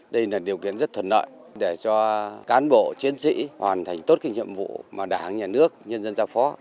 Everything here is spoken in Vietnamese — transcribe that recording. đây là điều kiện rất thuận lợi để cho cán bộ chiến sĩ hoàn thành tốt cái nhiệm vụ mà đảng nhà nước nhân dân giao phó